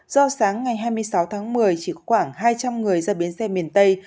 do sáng ngày hai mươi sáu tháng một mươi chỉ khoảng hai trăm linh người ra biến xe miền tây